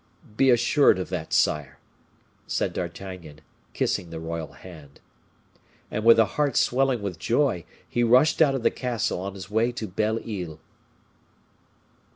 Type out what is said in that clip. "Be assured of that, sire," said D'Artagnan, kissing the royal hand. And with a heart swelling with joy, he rushed out of the castle on his way to Belle Isle.